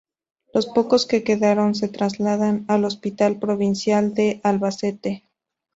Los pocos que quedaron se trasladaron al Hospital Provincial de Albacete.